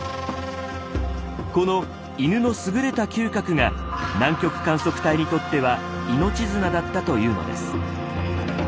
この犬の優れた嗅覚が南極観測隊にとっては命綱だったというのです。